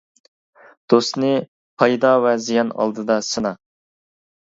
دوستنى پايدا ۋە زىيان ئالدىدا سىنا.